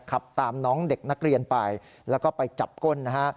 ขับตามน้องเด็กนักเรียนไปแล้วก็ไปจับก้นนะฮะ